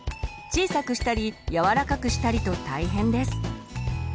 小さくしたり柔らかくしたりと大変です。